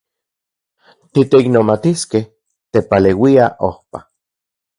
Titeiknomatiskej tepaleuia ojpa.